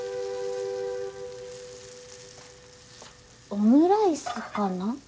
オムライスかな？